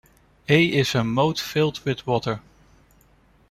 A is a moat filled with water.